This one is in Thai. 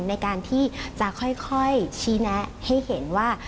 ในการที่จะค่อยชี้แนะให้เห็นว่า